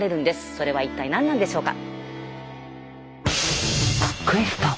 それは一体何なんでしょうか。